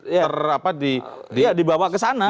ter apa di iya dibawa kesana